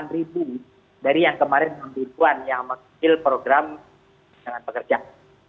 dari yang kemarin rp enam yang menghilang program penerbangan pekerjaan